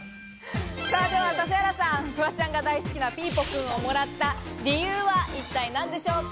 では指原さん、フワちゃんが大好きなピーポくんをもらった理由は一体何でしょうか？